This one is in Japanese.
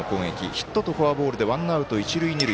ヒットとフォアボールでワンアウト、一塁二塁。